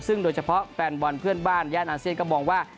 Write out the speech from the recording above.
ซึ่งโดยเฉพาะแฟนบอลเพื่อนบ้านย่านอาเซียนก็มองว่า